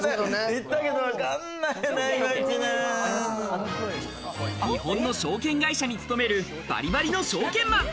行ったけどわかんないね、日本の証券会社に勤めるバリバリの証券マン。